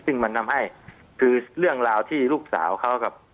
ซึ่งมันทำให้คือเรื่องราวที่ลูกสาวเขากับ